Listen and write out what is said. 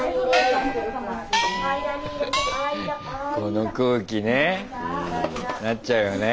この空気ねなっちゃうよね。